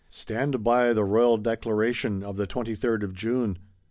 Stand by the royal Declaration, of the Twenty third of June.